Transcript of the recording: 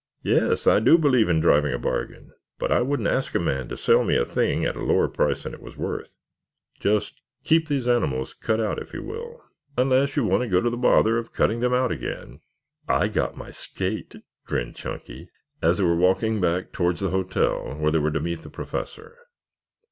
"Yes, I do believe in driving a bargain, but I wouldn't ask a man to sell me a thing at a lower price than it was worth. Just keep these animals cut out if you will, unless you want to go to the bother of cutting them out again." "I got my skate," grinned Chunky as they were walking back towards the hotel where they were to meet the Professor.